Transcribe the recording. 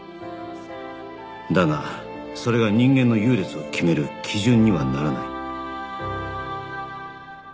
だがそれが人間の優劣を決める基準にはならない